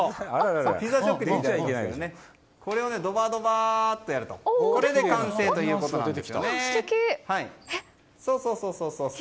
これをドバドバ−とやるとこれで完成ということなんですよね。